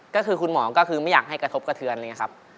ก็คือคุณหมอก็คือไม่อยากให้กระทบกระเทือนอะไรอย่างนี้ครับ